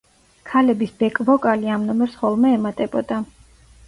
ქალების ბეკ-ვოკალი ამ ნომერს ხოლმე ემატებოდა.